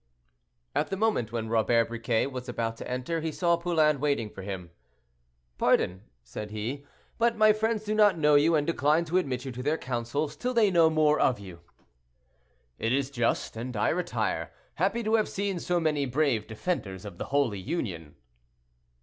At the moment when Robert Briquet was about to enter, he saw Poulain waiting for him. "Pardon," said he, "but my friends do not know you, and decline to admit you to their councils till they know more of you." "It is just, and I retire, happy to have seen so many brave defenders of the Holy Union."